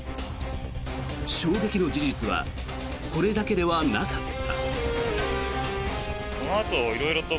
衝撃の事実はこれだけではなかった。